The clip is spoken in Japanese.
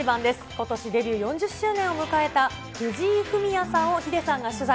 ことしデビュー４０周年を迎えた藤井フミヤさんを、ヒデさんが取材。